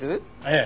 ええ。